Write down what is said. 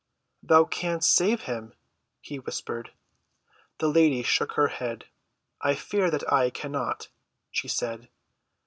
"Thou canst save him," he whispered. The lady shook her head. "I fear that I cannot," she said.